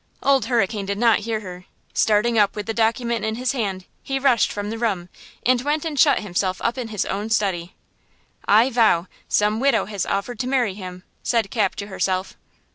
Old Hurricane did not hear her. Starting up with the document in his hand, he rushed from the room and went and shut himself up in his own study. "I vow, some widow has offered to marry him," said Cap, to herself.